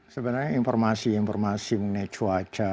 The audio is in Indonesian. sebenarnya informasi informasi mengenai cuaca